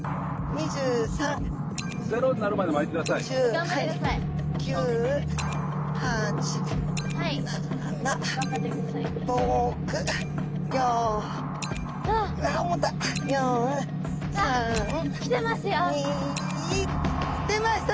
２出ました！